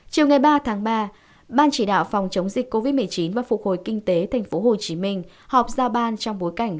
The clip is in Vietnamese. chiều ba ba ban chỉ đạo phòng chống dịch covid một mươi chín và phục hồi kinh tế tp hcm họp ra ban trong bối cảnh